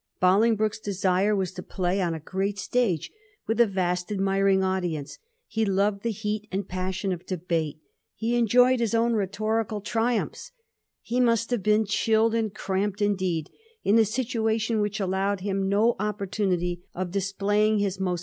Bolingbroke's desire was to play on a great stage with a vast admiring audience. He loved the heat and passion of debate: he enjoyed his own rhetorical triumphs. He must have been chilled and cramped indeed in a situation which allowed him no opportunity of displaying his most Digiti zed by Google 1716 BOLINGBROKE AT ST.